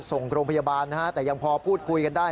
ส่งโรงพยาบาลนะฮะแต่ยังพอพูดคุยกันได้